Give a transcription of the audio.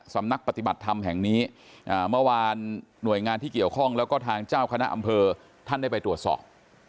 สำนักปฏิบัติธรรมแห่งนี้เมื่อวานหน่วยงานที่เกี่ยวข้องแล้วก็ทางเจ้าคณะอำเภอท่านได้ไปตรวจสอบ